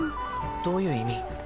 どういう意味？